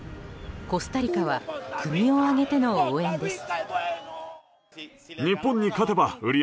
コスタリカは国を挙げての応援です。